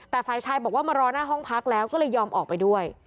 แต่ฝ่ายชายบอกว่ามารอหน้าห้องพักแล้วก็เลยยอมออกไปด้วย